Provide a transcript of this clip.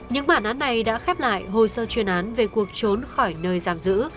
những bản án này đã khép lại hồ sơ chuyên án về cuộc trốn khỏi nơi giam giữ